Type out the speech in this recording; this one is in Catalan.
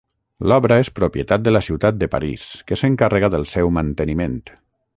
L'obra és propietat de la ciutat de París que s'encarrega del seu manteniment.